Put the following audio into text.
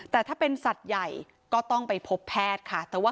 แต่ถ้าเป็นสัตว์ใหญ่ก็ต้องไปพบแพทย์ค่ะ